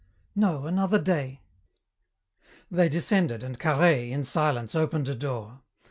"No, another day." They descended and Carhaix, in silence, opened a door.